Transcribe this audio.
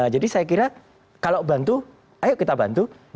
jadi saya kira kalau bantu ayo kita bantu